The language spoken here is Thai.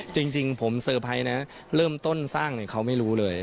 จริงผมเซอร์ไพรส์นะเริ่มต้นสร้างเขาไม่รู้เลย